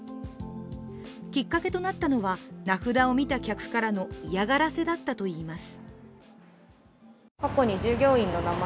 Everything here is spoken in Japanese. きっかけとなったのは、名札を見た客からの嫌がらせだったといいます。